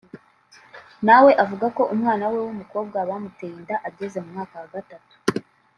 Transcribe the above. nawe avuga ko umwana we w’umukobwa bamuteye inda ageze mu mwaka wa gatatu